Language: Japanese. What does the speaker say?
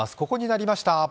ここになりました。